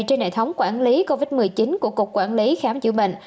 trên hệ thống quản lý covid một mươi chín của cục quản lý khám chữa bệnh